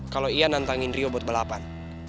kalau ian nantangin rio buat belapan